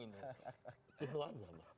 itu saja pak